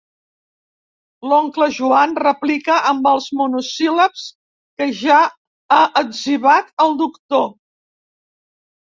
L'oncle Joan replica amb els monosíl·labs que ja ha etzibat al doctor.